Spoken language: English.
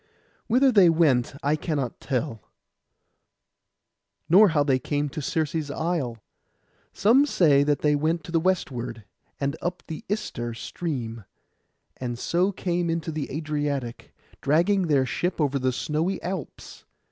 Whither they went I cannot tell, nor how they came to Circe's isle. Some say that they went to the westward, and up the Ister {130a} stream, and so came into the Adriatic, dragging their ship over the snowy Alps.